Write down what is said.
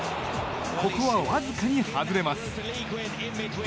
ここはわずかに外れます。